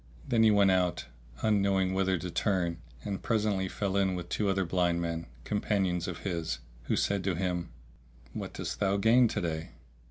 Then he went out, unknowing whither to turn, and presently fell in with two other blind men, companions of his, who said to him, "What didst thou gain to day?"